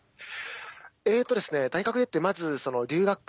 えとですね大学出てまず留学。